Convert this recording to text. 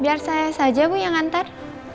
biar saya saja bu yang ngantar